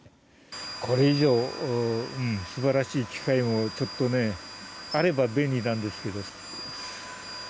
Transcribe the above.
これ以上素晴らしい機械もちょっとねあれば便利なんですけど。